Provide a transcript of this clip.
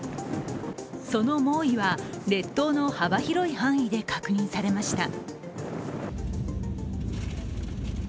その猛威は列島の幅広い範囲で確認されました。